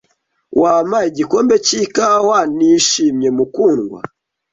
"Wampa igikombe cy'ikawa?" "Nishimye, mukundwa."